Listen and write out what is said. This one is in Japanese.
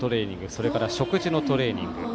それから食事のトレーニング。